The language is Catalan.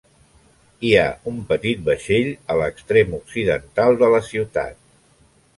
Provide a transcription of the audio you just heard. Hi ha un petit vaixell a l'extrem occidental de la ciutat.